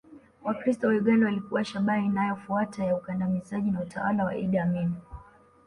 Wakristo wa Uganda walikuwa shabaha inayofuata ya ukandamizaji na utawala wa Idi Amin